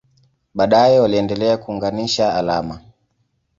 Baadaye waliendelea kuunganisha alama.